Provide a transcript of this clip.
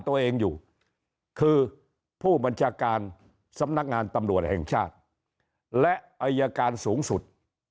ตัวเองอยู่คือผู้บัญชาการสำนักงานตำรวจแห่งชาติและอายการสูงสุด